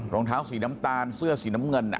รองเท้าสีน้ำตาลเสื้อสีน้ำเงิน